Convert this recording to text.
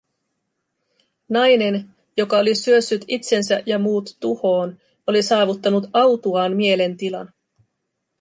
Nainen, joka oli syössyt itsensä ja muut tuhoon, oli saavuttanut autuaan mielentilan.